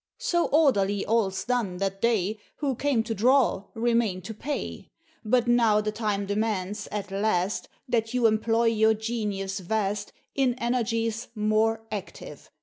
So orderly all's done that they Who came to draw remain to pay. But now the time demands, at last, That you employ your genius vast In energies more active.